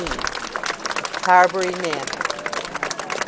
CARBURY MANOR.